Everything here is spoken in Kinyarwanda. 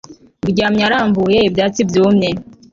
Uryamye arambuye ibyatsi byumye